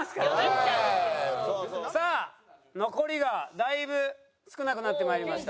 さあ残りがだいぶ少なくなってまいりました。